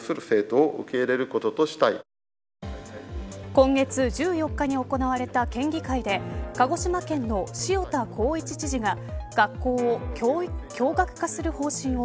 今月１４日に行われた県議会で鹿児島県の塩田康一知事が学校を共学化する方針を